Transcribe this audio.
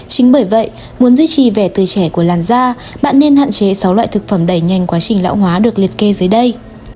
chính bởi vậy muốn duy trì vẻ từ trẻ của làn da bạn nên hạn chế sáu loại thực phẩm đẩy nhanh quá trình lão hóa được liệt kê dưới đây